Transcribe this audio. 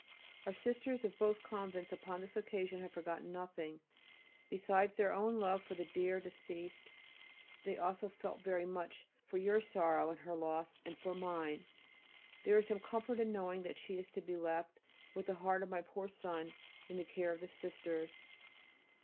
Our Sisters of both Convents upon this occasion have forgotten nothing. Besides their own love for the dear deceased they also felt very much for your sorrow in her loss and for mine. There is some comfort in knowing that she is to be left, with the heart of my poor son, in the care of the Sisters.